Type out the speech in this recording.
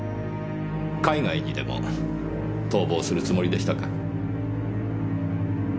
海外にでも逃亡するつもりでしたか？